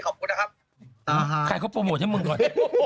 ทำเป็นวงการบันเทิงทำเป็นเกิดข่าวก่อน